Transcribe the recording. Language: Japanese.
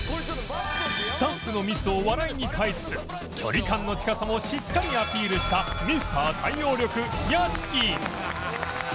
スタッフのミスを笑いに変えつつ距離感の近さもしっかりアピールした Ｍｒ． 対応力屋敷